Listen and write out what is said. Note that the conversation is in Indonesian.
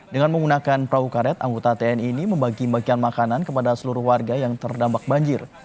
dengan menggunakan perahu karet anggota tni ini membagi bagian makanan kepada seluruh warga yang terdampak banjir